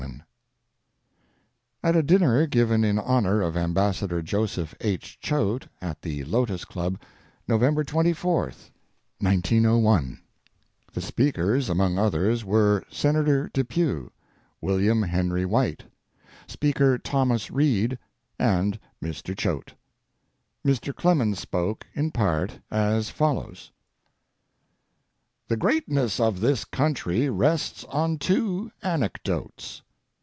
CHOATE AT A DINNER GIVEN IN HONOR OF AMBASSADOR JOSEPH H. CHOATE AT THE LOTOS CLUB, NOVEMBER 24, 1902 The speakers, among others, were: Senator Depew, William Henry White, Speaker Thomas Reed, and Mr. Choate. Mr. Clemens spoke, in part, as follows: The greatness of this country rests on two anecdotes.